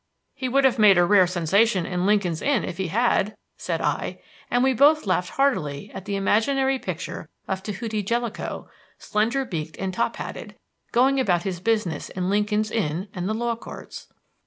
"He would have made a rare sensation in Lincoln's Inn if he had," said I; and we both laughed heartily at the imaginary picture of Tahuti Jellicoe, slender beaked and top hatted, going about his business in Lincoln's Inn and the Law Courts.